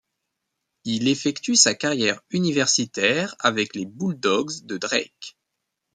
Il effectue sa carrière universitaire avec les Bulldogs de Drake.